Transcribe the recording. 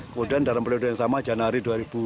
kemudian dalam periode yang sama januari dua ribu dua puluh